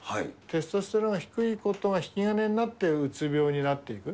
テストステロンが低いことが引き金になってうつ病になっていく。